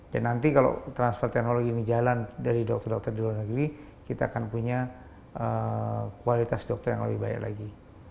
dan nanti kalau transfer teknologi ini jalan dari dokter dokter di luar negeri kita akan punya kualitas dokter yang lebih baik lagi